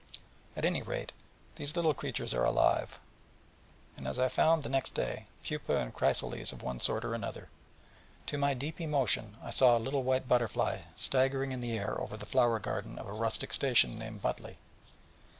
At any rate, these little creatures are alive, the batrachians also, and, as I found the next day, pupae and chrysales of one sort or another, for, to my deep emotion, I saw a little white butterfly staggering in the air over the flower garden of a rustic station named Butley.